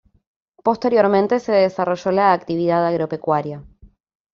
Posteriormente se desarrolló la actividad agropecuaria.